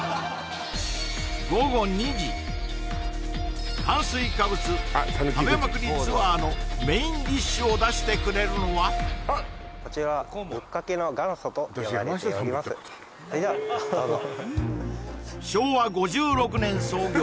午後２時炭水化物食べまくりツアーのメインディッシュを出してくれるのはそれではどうぞ昭和５６年創業